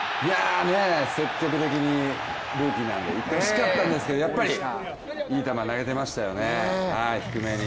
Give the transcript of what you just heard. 積極的に、ルーキーなんでいってほしかったですけどやっぱりいい球、投げてましたよね低めに。